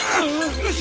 よし。